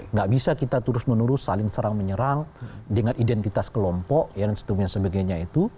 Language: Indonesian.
nggak bisa kita terus menerus saling serang menyerang dengan identitas kelompok dan sebagainya itu